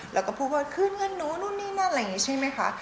แล้วก็พูดว่าคืนเงินหนูนู่นนี่นั่นอะไรอย่างนี้ใช่ไหมคะ